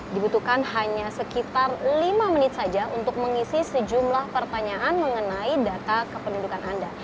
dibutuhkan hanya sekitar lima menit saja untuk mengisi sejumlah pertanyaan mengenai data kependudukan anda